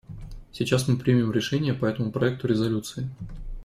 Сейчас мы примем решение по этому проекту резолюции.